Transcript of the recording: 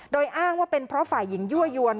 โดยอ้างว่าเป็นเพราะฝ่ายหญิงยั่วยวน